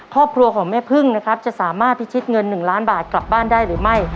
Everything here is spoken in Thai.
ครอบครัวของแม่พึ่งนะครับจะสามารถพิชิตเงิน๑ล้านบาทกลับบ้านได้หรือไม่